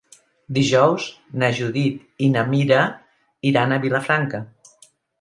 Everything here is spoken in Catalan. Dijous na Judit i na Mira iran a Vilafranca.